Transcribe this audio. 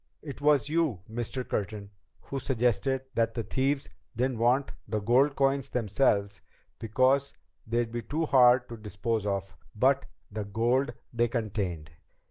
It was you, Mr. Curtin, who suggested that the thieves didn't want the gold coins themselves because they'd be too hard to dispose of, but the gold they contained.